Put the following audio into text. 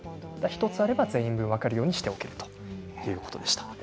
１つあれば全員分分かるようにしておくということですね。